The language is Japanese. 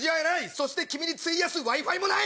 そして君に費やすＷｉ−Ｆｉもない！